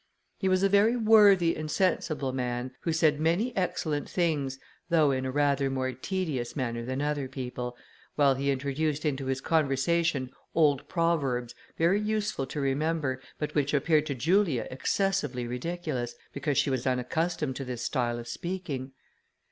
He was a very worthy and sensible man, who said many excellent things, though in a rather more tedious manner than other people, while he introduced into his conversation old proverbs, very useful to remember, but which appeared to Julia excessively ridiculous, because she was unaccustomed to this style of speaking.